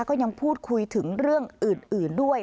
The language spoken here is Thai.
ก็ยังพูดคุยถึงเรื่องอื่นด้วย